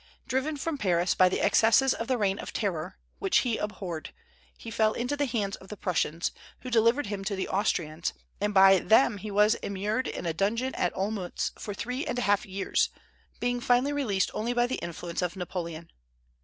Driven from Paris by the excesses of the Reign of Terror, which he abhorred, he fell into the hands of the Prussians, who delivered him to the Austrians, and by them he was immured in a dungeon at Olmutz for three and a half years, being finally released only by the influence of Napoleon.